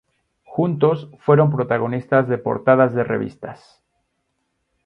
Juntos fueron protagonistas de portadas de revistas.